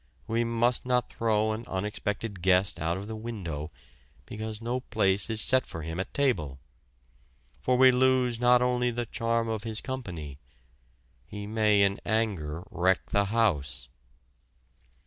We must not throw an unexpected guest out of the window because no place is set for him at table. For we lose not only the charm of his company: he may in anger wreck the house.